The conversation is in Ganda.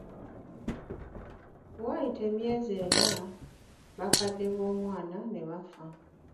Waayita emyezi ena, bakadde b'omwana ne bafa.